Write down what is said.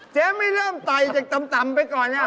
เจ๊ไม่เริ่มต่อยเจ็กตำไปก่อนเนี่ย